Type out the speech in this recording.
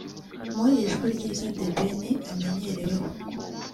mu ijwi ryiza The Ben amenyereweho